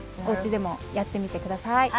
おうちでもやってみてください。